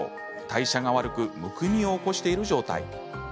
代謝が悪くむくみを起こしている状態。